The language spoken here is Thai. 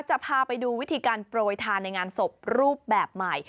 จะพาไปดูวิธีการโปรยทานในงานศพรูปแบบใหม่